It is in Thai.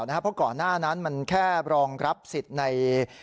เพราะก่อนหน้านั้นมันแค่รองรับสิทธิ์ใน